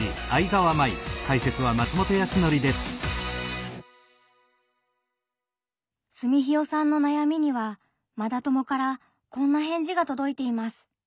すみひよさんの悩みにはマダ友からこんな返事がとどいています。